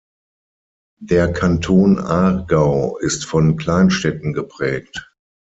Der Kanton Aargau ist von Kleinstädten geprägt.